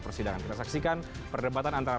persidangan kita saksikan perdebatan antara